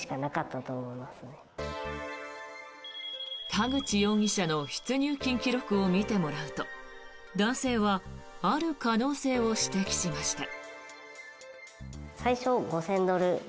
田口容疑者の出入金記録を見てもらうと男性はある可能性を指摘しました。